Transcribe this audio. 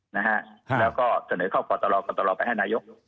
นะฮะแล้วก็เสนอเข้าพตรไปให้นายก